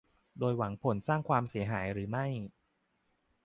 โดยหวังผลสร้างความเสียหรือไม่